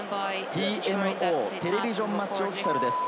ＴＭＯ、テレビジョン・マッチ・オフィシャルです。